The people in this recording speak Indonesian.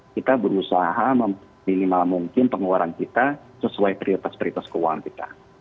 kita berusaha meminimal mungkin pengeluaran kita sesuai prioritas prioritas keuangan kita